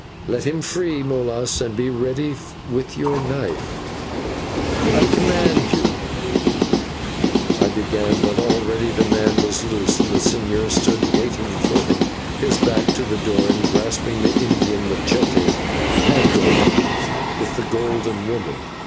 Let him free, Molas, and be ready with your knife." "I command you," I began, but already the man was loose and the señor stood waiting for him, his back to the door, and grasping the Indian /machete/ handled with the golden woman.